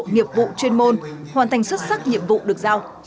nghiệp vụ chuyên môn hoàn thành xuất sắc nhiệm vụ được giao